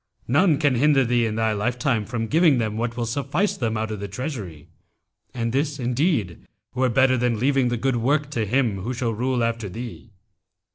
None can hinder thee in thy lifetime from giving them what will suffice them out of the treasury; and this indeed were better than leaving the good work to him who shall rule after thee.'